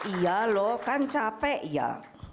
iya loh kan capek ya